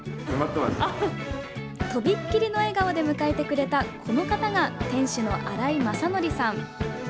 とびっきりの笑顔で迎えてくれたこの方が店主の荒井正則さん。